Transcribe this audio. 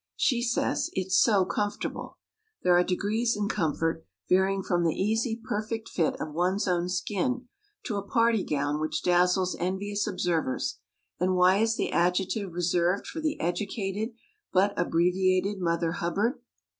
She says: "It's so comfortable!" There are degrees in comfort, varying from the easy, perfect fit of one's own skin to a party gown which dazzles envious observers, and why is the adjective reserved for the educated but abbreviated Mother Hubbard?